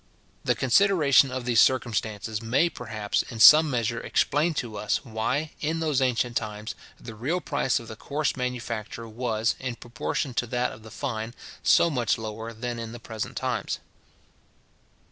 The consideration of these circumstances may, perhaps, in some measure explain to us why, in those ancient times, the real price of the coarse manufacture was, in proportion to that of the fine, so much lower than in the present times.